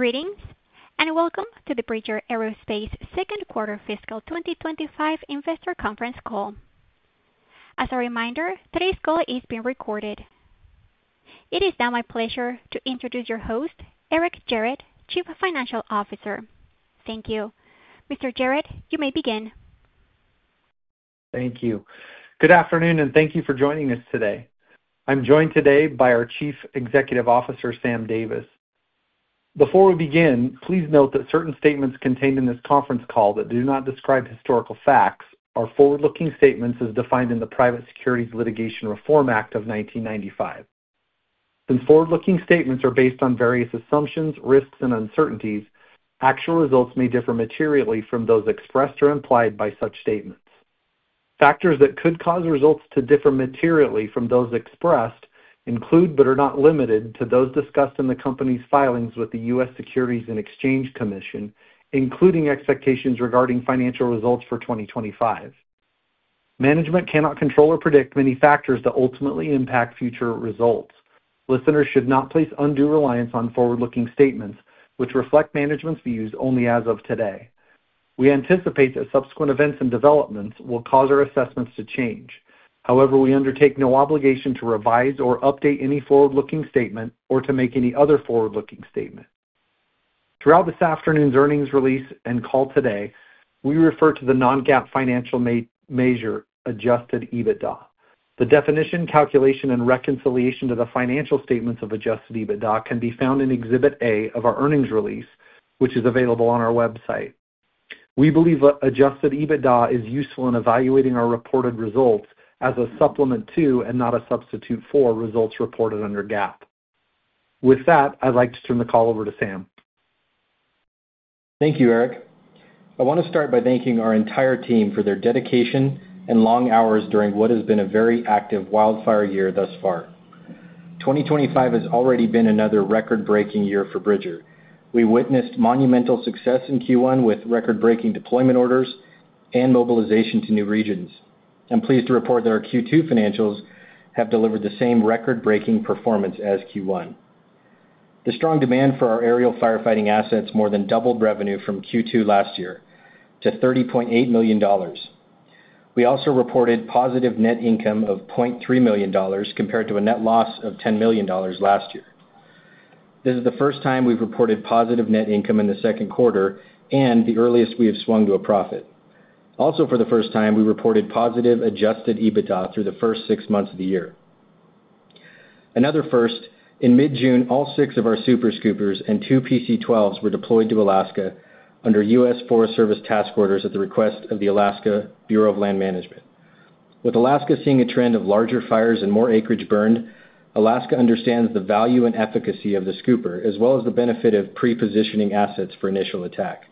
Greetings, and welcome to the Bridger Aerospace Second Quarter Fiscal 2025 Investor Conference Call. As a reminder, today's call is being recorded. It is now my pleasure to introduce your host, Eric Gerratt, Chief Financial Officer. Thank you. Mr. Gerratt, you may begin. Thank you. Good afternoon, and thank you for joining us today. I'm joined today by our Chief Executive Officer, Sam Davis. Before we begin, please note that certain statements contained in this conference call that do not describe historical facts are forward-looking statements as defined in the Private Securities Litigation Reform Act of 1995. Since forward-looking statements are based on various assumptions, risks, and uncertainties, actual results may differ materially from those expressed or implied by such statements. Factors that could cause results to differ materially from those expressed include but are not limited to those discussed in the company's filings with the U.S. Securities and Exchange Commission, including expectations regarding financial results for 2025. Management cannot control or predict many factors that ultimately impact future results. Listeners should not place undue reliance on forward-looking statements, which reflect management's views only as of today. We anticipate that subsequent events and developments will cause our assessments to change. However, we undertake no obligation to revise or update any forward-looking statement or to make any other forward-looking statement. Throughout this afternoon's earnings release and call today, we refer to the non-GAAP financial measure, adjusted EBITDA. The definition, calculation, and reconciliation to the financial statements of adjusted EBITDA can be found in Exhibit A of our earnings release, which is available on our website. We believe that adjusted EBITDA is useful in evaluating our reported results as a supplement to and not a substitute for results reported under GAAP. With that, I'd like to turn the call over to Sam. Thank you, Eric. I want to start by thanking our entire team for their dedication and long hours during what has been a very active wildfire year thus far. 2025 has already been another record-breaking year for Bridge. We witnessed monumental success in Q1 with record-breaking deployment orders and mobilization to new regions. I'm pleased to report that our Q2 financials have delivered the same record-breaking performance as Q1. The strong demand for our aerial firefighting assets more than doubled revenue from Q2 last year to $30.8 million. We also reported positive net income of $0.3 million compared to a net loss of $10 million last year. This is the first time we've reported positive net income in the second quarter and the earliest we have swung to a profit. Also, for the first time, we reported positive adjusted EBITDA through the first six months of the year. Another first, in mid-June, all six of our Super Scoopers and two PC-12s were deployed to Alaska under U.S. Forest Service task orders at the request of the Alaska Bureau of Land Management. With Alaska seeing a trend of larger fires and more acreage burned, Alaska understands the value and efficacy of the Scooper as well as the benefit of pre-positioning assets for initial attack.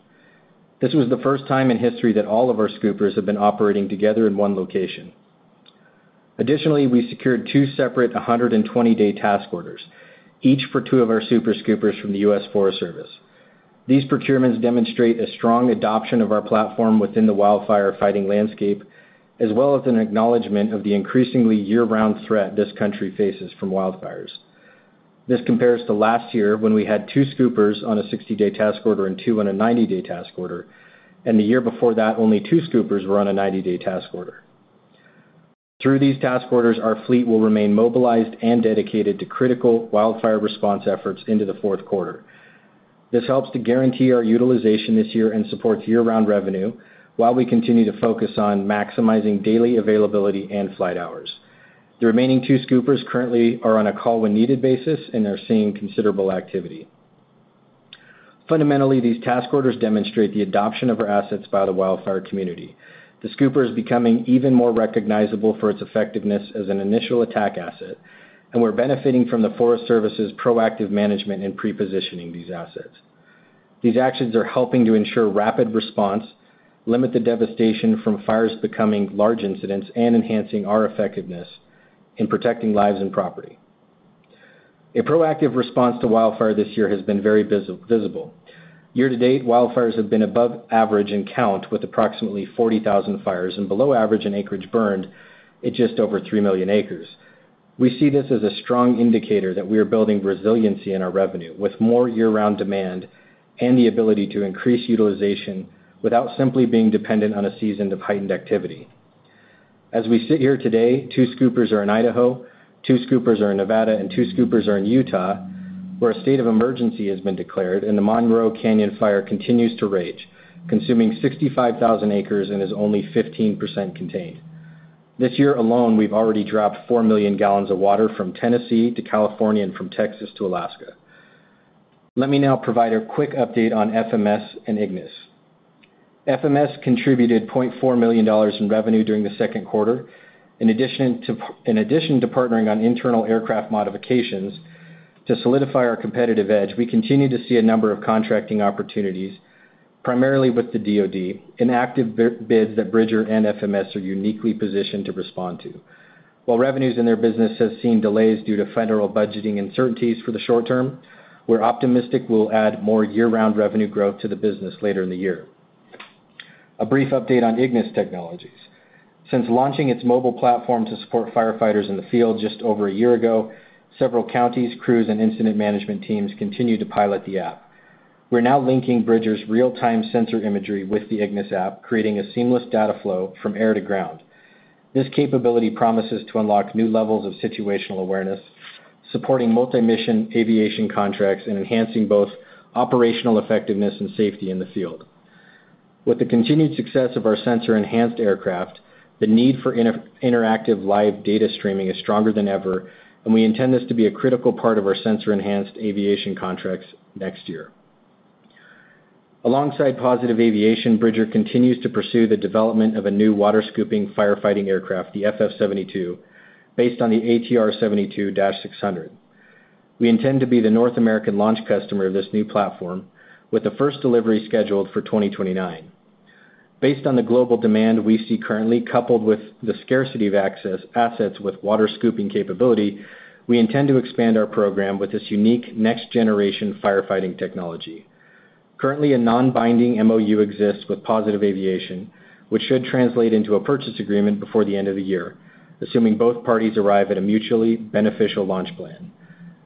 This was the first time in history that all of our Scoopers have been operating together in one location. Additionally, we secured two separate 120-day task orders, each for two of our Super Scoopers from the U.S. Forest Service. These procurements demonstrate a strong adoption of our platform within the wildfire suppression landscape, as well as an acknowledgment of the increasingly year-round threat this country faces from wildfires. This compares to last year when we had two Scoopers on a 60-day task order and two on a 90-day task order, and the year before that, only two Scoopers were on a 90-day task order. Through these task orders, our fleet will remain mobilized and dedicated to critical wildfire response efforts into the fourth quarter. This helps to guarantee our utilization this year and supports year-round revenue while we continue to focus on maximizing daily availability and flight hours. The remaining two Scoopers currently are on a call when needed basis and are seeing considerable activity. Fundamentally, these task orders demonstrate the adoption of our assets by the wildfire community. The Scooper is becoming even more recognizable for its effectiveness as an initial attack asset, and we're benefiting from the U.S. Forest Service's proactive management in pre-positioning these assets. These actions are helping to ensure rapid response, limit the devastation from fires becoming large incidents, and enhancing our effectiveness in protecting lives and property. A proactive response to wildfire this year has been very visible. Year to date, wildfires have been above average in count, with approximately 40,000 fires and below average in acreage burned at just over 3 million acres. We see this as a strong indicator that we are building resiliency in our revenue with more year-round demand and the ability to increase utilization without simply being dependent on a season of heightened activity. As we sit here today, two Scoopers are in Idaho, two Scoopers are in Nevada, and two Scoopers are in Utah, where a state of emergency has been declared and the Monroe Canyon fire continues to rage, consuming 65,000 acres and is only 15% contained. This year alone, we've already dropped 4 million gallons of water from Tennessee to California and from Texas to Alaska. Let me now provide a quick update on FMS and Ignis. FMS contributed $0.4 million in revenue during the second quarter. In addition to partnering on internal aircraft modifications to solidify our competitive edge, we continue to see a number of contracting opportunities, primarily with the DOD, and active bids that Bridger and FMS are uniquely positioned to respond to. While revenues in their business have seen delays due to federal budgeting uncertainties for the short term, we're optimistic we'll add more year-round revenue growth to the business later in the year. A brief update on Ignis Technologies. Since launching its mobile platform to support firefighters in the field just over a year ago, several counties, crews, and incident management teams continue to pilot the app. We're now linking Bridger's real-time sensor imagery with the Ignis' app, creating a seamless data flow from air to ground. This capability promises to unlock new levels of situational awareness, supporting multi-mission aviation contracts, and enhancing both operational effectiveness and safety in the field. With the continued success of our sensor-enhanced aircraft, the need for interactive live data streaming is stronger than ever, and we intend this to be a critical part of our sensor-enhanced aviation contracts next year. Alongside Positive Aviation, Bridger continues to pursue the development of a new water scooping firefighting aircraft, the FF72, based on the ATR 72-600. We intend to be the North American launch customer of this new platform, with the first delivery scheduled for 2029. Based on the global demand we see currently, coupled with the scarcity of assets with water scooping capability, we intend to expand our program with this unique next-generation firefighting technology. Currently, a non-binding MOU exists with Positive Aviation, which should translate into a purchase agreement before the end of the year, assuming both parties arrive at a mutually beneficial launch plan.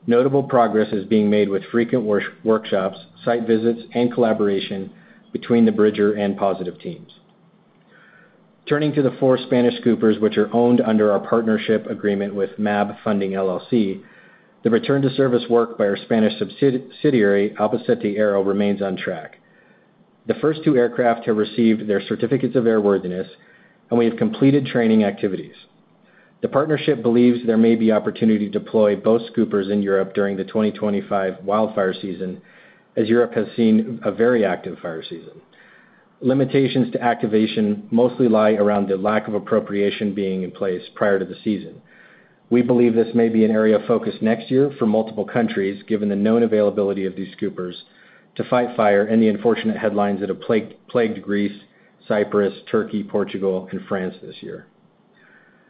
Notable progress is being made with frequent workshops, site visits, and collaboration between the Bridger and Positive teams. Turning to the four Spanish Scoopers, which are owned under our partnership agreement with MAB Funding LLC, the return-to-service work by our Spanish subsidiary, Albacete Aero, remains on track. The first two aircraft have received their certificates of airworthiness, and we have completed training activities. The partnership believes there may be opportunity to deploy both Scoopers in Europe during the 2025 wildfire season, as Europe has seen a very active fire season. Limitations to activation mostly lie around the lack of appropriation being in place prior to the season. We believe this may be an area of focus next year for multiple countries, given the known availability of these Scoopers to fight fire and the unfortunate headlines that have plagued Greece, Cyprus, Turkey, Portugal, and France this year.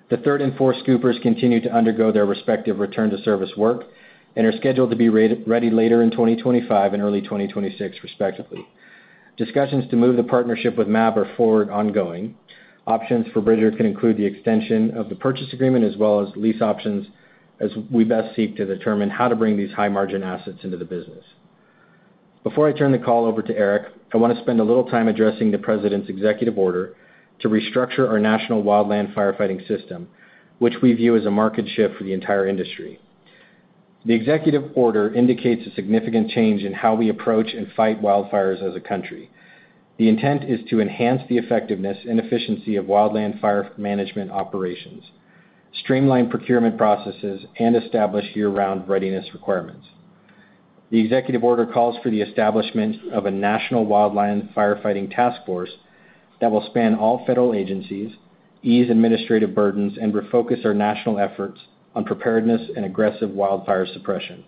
The third and fourth Scoopers continue to undergo their respective return-to-service work and are scheduled to be ready later in 2025 and early 2026, respectively. Discussions to move the partnership with MAB forward are ongoing. Options for Bridger could include the extension of the purchase agreement as well as lease options, as we best seek to determine how to bring these high-margin assets into the business. Before I turn the call over to Eric, I want to spend a little time addressing the President's Executive Order to restructure our national wildland firefighting system, which we view as a market shift for the entire industry. The Executive Order indicates a significant change in how we approach and fight wildfires as a country. The intent is to enhance the effectiveness and efficiency of wildland fire management operations, streamline procurement processes, and establish year-round readiness requirements. The Executive Order calls for the establishment of a national wildland firefighting task force that will span all federal agencies, ease administrative burdens, and refocus our national efforts on preparedness and aggressive wildfire suppression.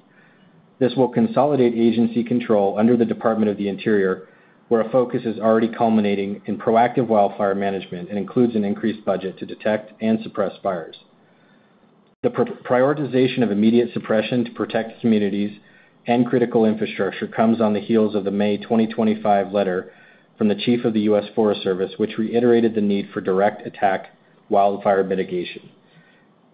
This will consolidate agency control under the Department of the Interior, where a focus is already culminating in proactive wildfire management and includes an increased budget to detect and suppress fires. The prioritization of immediate suppression to protect communities and critical infrastructure comes on the heels of the May 2025 letter from the Chief of the U.S. Forest Service, which reiterated the need for direct attack wildfire mitigation.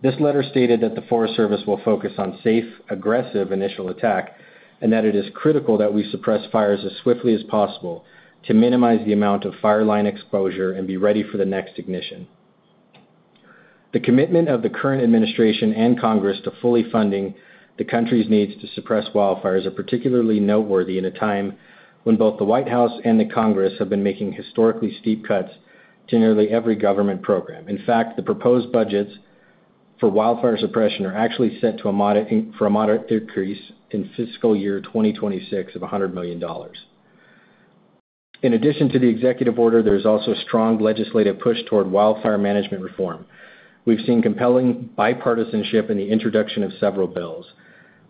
This letter stated that the Forest Service will focus on safe, aggressive initial attack and that it is critical that we suppress fires as swiftly as possible to minimize the amount of fireline exposure and be ready for the next ignition. The commitment of the current administration and Congress to fully funding the country's needs to suppress wildfires is particularly noteworthy in a time when both the White House and the Congress have been making historically steep cuts to nearly every government program. In fact, the proposed budgets for wildfire suppression are actually set for a moderate decrease in fiscal year 2026 of $100 million. In addition to the Executive Order, there is also a strong legislative push toward wildfire management reform. We've seen compelling bipartisanship in the introduction of several bills.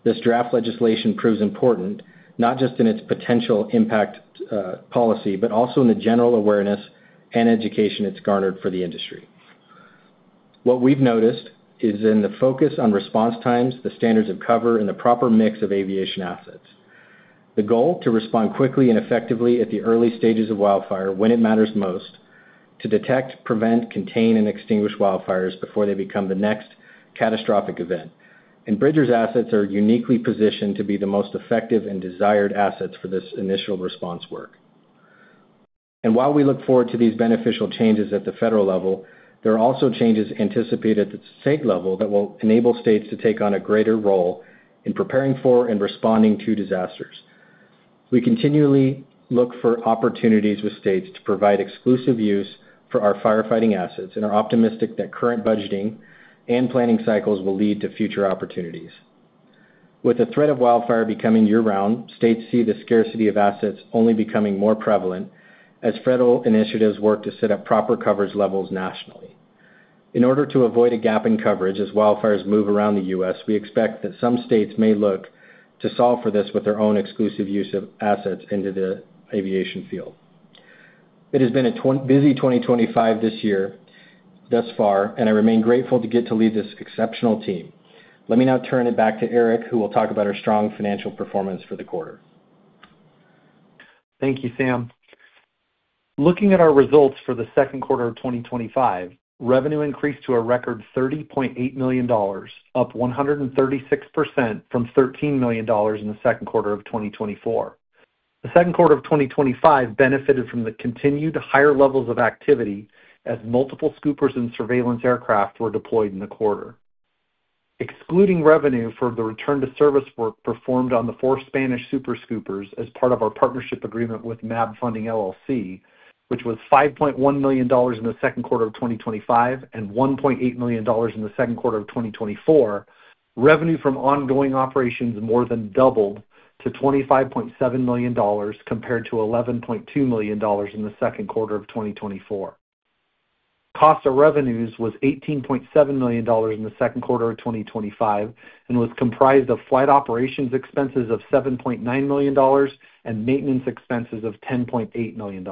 This draft legislation proves important not just in its potential impact policy but also in the general awareness and education it's garnered for the industry. What we've noticed is in the focus on response times, the standards of cover, and the proper mix of aviation assets. The goal is to respond quickly and effectively at the early stages of wildfire when it matters most, to detect, prevent, contain, and extinguish wildfires before they become the next catastrophic event. Bridger's assets are uniquely positioned to be the most effective and desired assets for this initial response work. While we look forward to these beneficial changes at the federal level, there are also changes anticipated at the state level that will enable states to take on a greater role in preparing for and responding to disasters. We continually look for opportunities with states to provide exclusive use for our firefighting assets, and are optimistic that current budgeting and planning cycles will lead to future opportunities. With the threat of wildfire becoming year-round, states see the scarcity of assets only becoming more prevalent as federal initiatives work to set up proper coverage levels nationally. In order to avoid a gap in coverage as wildfires move around the U.S., we expect that some states may look to solve for this with their own exclusive use of assets into the aviation field. It has been a busy 2024 this year thus far, and I remain grateful to get to lead this exceptional team. Let me now turn it back to Eric, who will talk about our strong financial performance for the quarter. Thank you, Sam. Looking at our results for the second quarter of 2025, revenue increased to a record $30.8 million, up 136% from $13 million in the second quarter of 2024. The second quarter of 2025 benefited from the continued higher levels of activity as multiple Scoopers and surveillance aircraft were deployed in the quarter. Excluding revenue for the return-to-service work performed on the four Spanish Super Scoopers as part of our partnership agreement with MAB Funding LLC, which was $5.1 million in the second quarter of 2025 and $1.8 million in the second quarter of 2024, revenue from ongoing operations more than doubled to $25.7 million compared to $11.2 million in the second quarter of 2024. Cost of revenues was $18.7 million in the second quarter of 2025 and was comprised of flight operations expenses of $7.9 million and maintenance expenses of $10.8 million.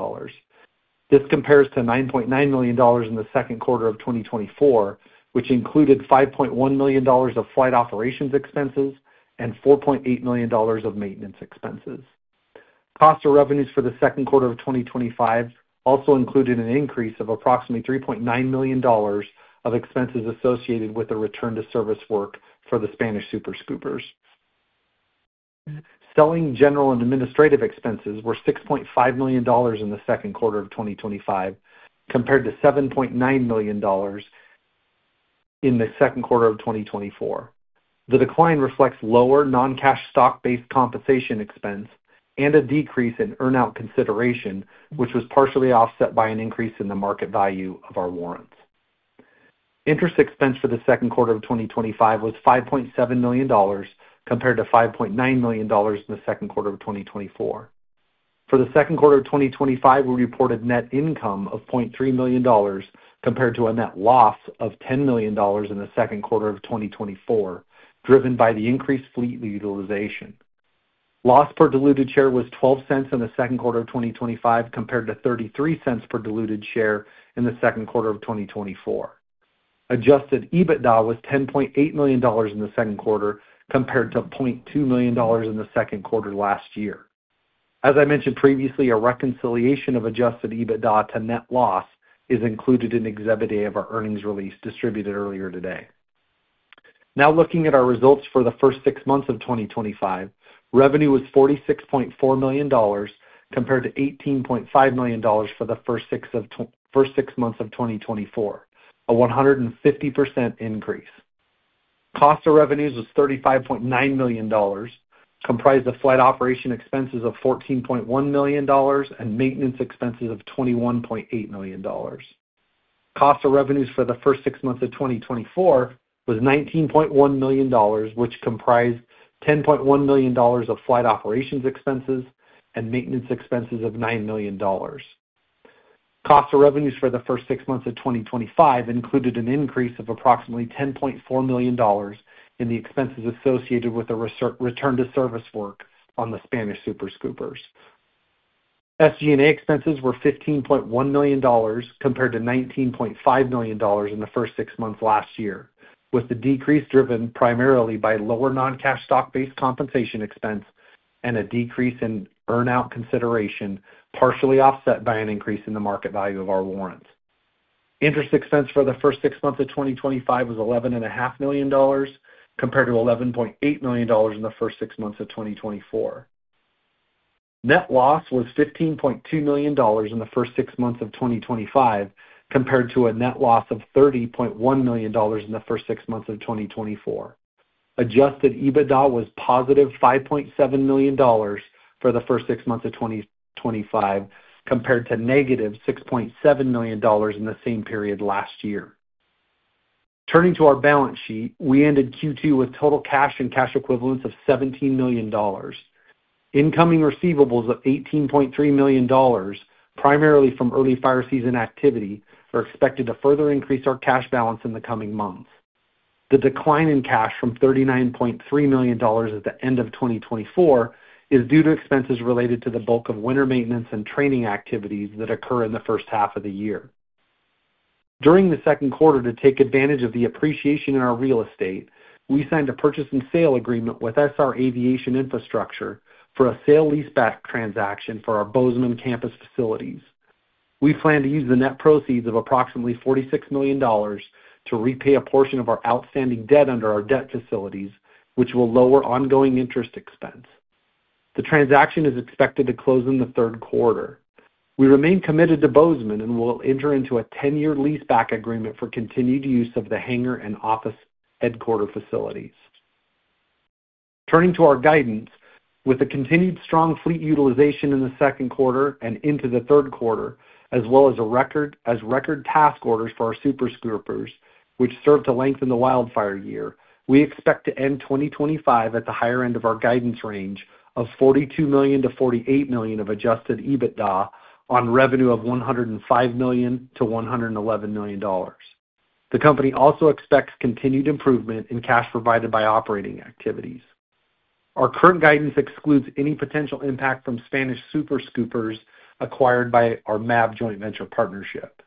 This compares to $9.9 million in the second quarter of 2024, which included $5.1 million of flight operations expenses and $4.8 million of maintenance expenses. Cost of revenues for the second quarter of 2025 also included an increase of approximately $3.9 million of expenses associated with the return-to-service work for the Spanish Super Scoopers. Selling, general, and administrative expenses were $6.5 million in the second quarter of 2025 compared to $7.9 million in the second quarter of 2024. The decline reflects lower non-cash stock-based compensation expense and a decrease in earnout consideration, which was partially offset by an increase in the market value of our warrants. Interest expense for the second quarter of 2025 was $5.7 million compared to $5.9 million in the second quarter of 2024. For the second quarter of 2025, we reported a net income of $0.3 million compared to a net loss of $10 million in the second quarter of 2024, driven by the increased fleet utilization. Loss per diluted share was $0.12 in the second quarter of 2025 compared to $0.33 per diluted share in the second quarter of 2024. Adjusted EBITDA was $10.8 million in the second quarter compared to $0.2 million in the second quarter last year. As I mentioned previously, a reconciliation of adjusted EBITDA to net loss is included in Exhibit A of our earnings release distributed earlier today. Now looking at our results for the first six months of 2025, revenue was $46.4 million compared to $18.5 million for the first six months of 2024, a 150% increase. Cost of revenues was $35.9 million, comprised of flight operation expenses of $14.1 million and maintenance expenses of $21.8 million. Cost of revenues for the first six months of 2024 was $19.1 million, which comprised $10.1 million of flight operations expenses and maintenance expenses of $9 million. Cost of revenues for the first six months of 2025 included an increase of approximately $10.4 million in the expenses associated with the return-to-service work on the Spanish Super Scoopers. SG&A expenses were $15.1 million compared to $19.5 million in the first six months last year, with the decrease driven primarily by lower non-cash stock-based compensation expense and a decrease in earnout consideration, partially offset by an increase in the market value of our warrants. Interest expense for the first six months of 2025 was $11.5 million compared to $11.8 million in the first six months of 2024. Net loss was $15.2 million in the first six months of 2025 compared to a net loss of $30.1 million in the first six months of 2024. Adjusted EBITDA was +$5.7 million for the first six months of 2025 compared to -$6.7 million in the same period last year. Turning to our balance sheet, we ended Q2 with total cash and cash equivalents of $17 million. Incoming receivables of $18.3 million, primarily from early fire season activity, are expected to further increase our cash balance in the coming months. The decline in cash from $39.3 million at the end of 2024 is due to expenses related to the bulk of winter maintenance and training activities that occur in the first half of the year. During the second quarter, to take advantage of the appreciation in our real estate, we signed a purchase and sale agreement with SR Aviation Infrastructure for a sale-leaseback transaction for our Bozeman Campus facilities. We plan to use the net proceeds of approximately $46 million to repay a portion of our outstanding debt under our debt facilities, which will lower ongoing interest expense. The transaction is expected to close in the third quarter. We remain committed to Bozeman and will enter into a 10-year leaseback agreement for continued use of the hangar and office headquarter facilities. Turning to our guidance, with the continued strong fleet utilization in the second quarter and into the third quarter, as well as record task orders for our Super Scoopers, which serve to lengthen the wildfire year, we expect to end 2025 at the higher end of our guidance range of $42 million-$48 million of adjusted EBITDA on revenue of $105 million-$111 million. The company also expects continued improvement in cash provided by operating activities. Our current guidance excludes any potential impact from Spanish Super Scoopers acquired by our MAB joint venture partnership.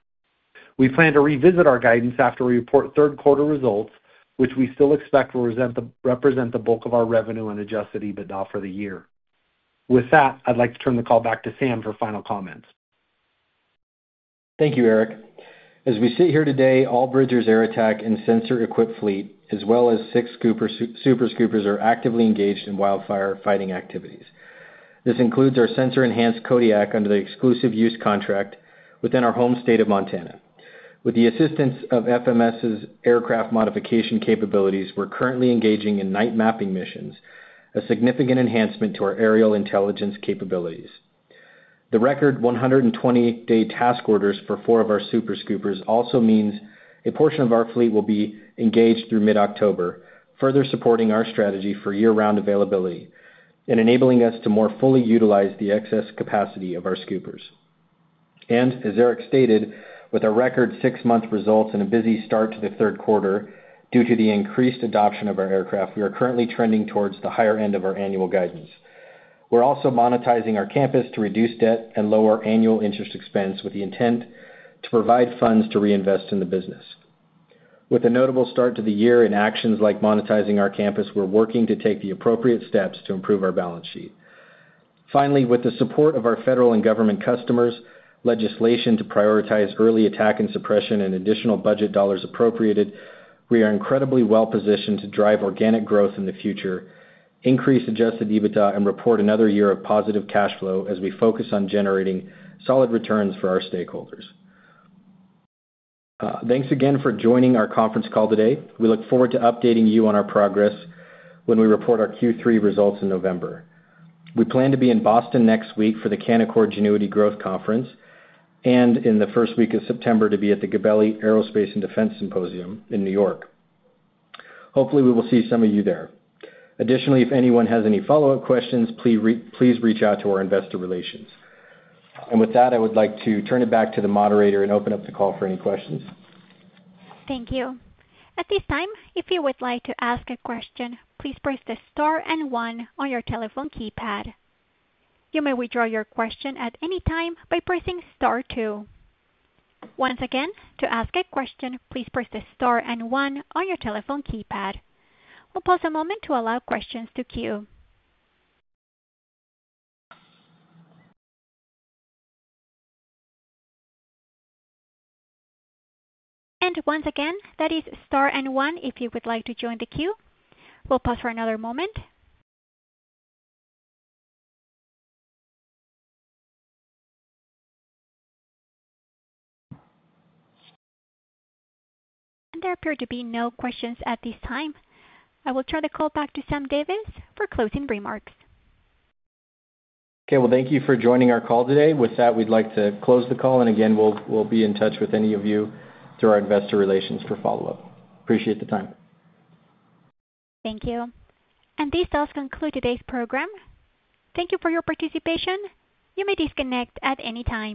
We plan to revisit our guidance after we report third-quarter results, which we still expect will represent the bulk of our revenue and adjusted EBITDA for the year. With that, I'd like to turn the call back to Sam for final comments. Thank you, Eric. As we sit here today, all Bridger's air attack and sensor-equipped fleet, as well as six Super Scoopers, are actively engaged in wildfire fighting activities. This includes our sensor-enhanced Kodiak under the exclusive use contract within our home state of Montana. With the assistance of FMS' aircraft modification capabilities, we're currently engaging in night mapping missions, a significant enhancement to our aerial intelligence capabilities. The record 120-day task orders for four of our Super Scoopers also mean a portion of our fleet will be engaged through mid-October, further supporting our strategy for year-round availability and enabling us to more fully utilize the excess capacity of our scoopers. As Eric stated, with our record six-month results and a busy start to the third quarter due to the increased adoption of our aircraft, we are currently trending towards the higher end of our annual guidance. We're also monetizing our campus to reduce debt and lower annual interest expense with the intent to provide funds to reinvest in the business. With a notable start to the year in actions like monetizing our campus, we're working to take the appropriate steps to improve our balance sheet. Finally, with the support of our federal and government customers, legislation to prioritize early attack and suppression, and additional budget dollars appropriated, we are incredibly well-positioned to drive organic growth in the future, increase adjusted EBITDA, and report another year of positive cash flow as we focus on generating solid returns for our stakeholders. Thanks again for joining our conference call today. We look forward to updating you on our progress when we report our Q3 results in November. We plan to be in Boston next week for the Canaccord-Genuity Growth Conference and in the first week of September to be at the Gabelli Aerospace and Defense Symposium in New York. Hopefully, we will see some of you there. Additionally, if anyone has any follow-up questions, please reach out to our investor relations. With that, I would like to turn it back to the moderator and open up the call for any questions. Thank you. At this time, if you would like to ask a question, please press the star and one on your telephone keypad. You may withdraw your question at any time by pressing star two. Once again, to ask a question, please press the star and one on your telephone keypad. We'll pause a moment to allow questions to queue. Once again, that is star and one if you would like to join the queue. We'll pause for another moment. There appear to be no questions at this time. I will turn the call back to Sam Davis for closing remarks. Okay, thank you for joining our call today. With that, we'd like to close the call. Again, we'll be in touch with any of you through our investor relations for follow-up. Appreciate the time. Thank you. This does conclude today's program. Thank you for your participation. You may disconnect at any time.